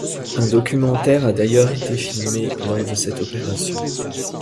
Un documentaire a d'ailleurs été filmé lors de cette opération.